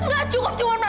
gak cukup cuma mas iksan